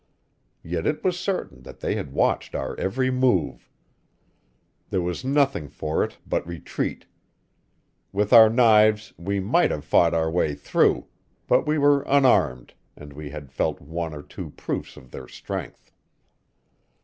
Yet it was certain that they had watched our every move. There was nothing for it but retreat. With our knives we might have fought our way through; but we were unarmed, and we had felt one or two proofs of their strength.